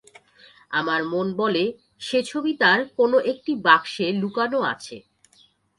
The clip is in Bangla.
আমার মন বলে, সে ছবি তার কোনো একটি বাক্সে লুকানো আছে।